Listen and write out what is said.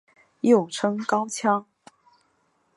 又称高腔。